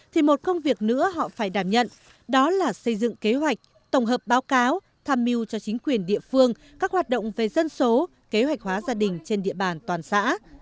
thì một công việc nữa họ phải đảm nhận đó là xây dựng kế hoạch tổng hợp báo cáo tham mưu cho chính quyền địa phương các hoạt động về dân số kế hoạch hóa gia đình trên địa bàn toàn xã